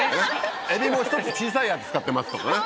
「えびもひとつ小さいやつ使ってます」とかね。